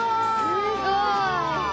すごい！